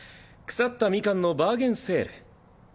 腐ったミカンのバーゲンセール。